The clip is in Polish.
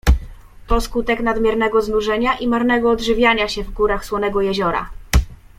"To skutek nadmiernego znużenia i marnego odżywiania się w górach Słonego Jeziora."